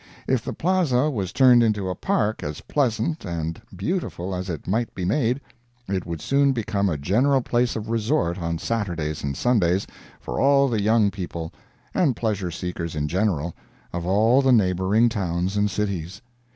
If the Plaza was turned into a park as pleasant and beautiful as it might be made, it would soon become a general place of resort on Saturdays and Sundays for all the young people, and pleasure seekers in general, of all the neighboring towns and cities.